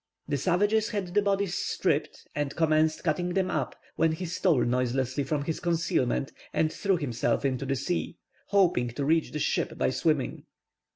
The savages had the bodies stripped, and commenced cutting them up, when he stole noiselessly from his concealment, and threw himself into the sea, hoping to reach the ship by swimming.